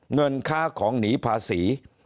เงินค้าของหนีภาษี